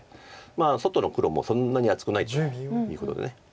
外の黒もそんなに厚くないということで。